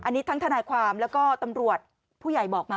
อันนี้ทั้งทนายความแล้วก็ตำรวจผู้ใหญ่บอกมา